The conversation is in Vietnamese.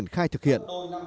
khai thực hiện